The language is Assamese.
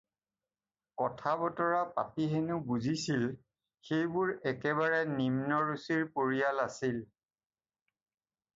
কথা-বতৰা পাতি হেনো বুজিছিল সেইবোৰ একেবাৰে নিম্ন ৰুচিৰ পৰিয়াল আছিল।